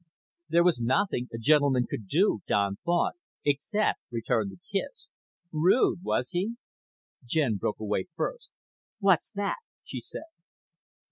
There was nothing a gentleman could do, Don thought, except return the kiss. Rude, was he? Jen broke away first. "What's that?" she said.